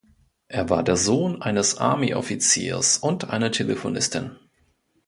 Er war der Sohn eines Army-Offiziers und einer Telefonistin.